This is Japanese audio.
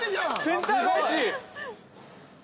センター返し。